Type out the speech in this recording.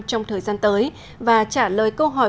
trong thời gian tới và trả lời câu hỏi